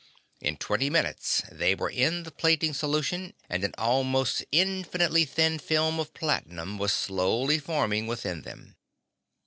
In twenty minutes they were in the plating solution and an almost infinitely thin film of platinum was slowly forming within them.